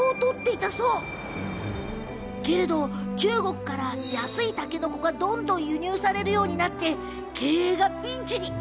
しかし、中国から安いたけのこがどんどん輸入されるようになり経営がピンチに。